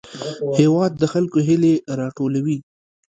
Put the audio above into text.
هېواد د خلکو هیلې راټولوي.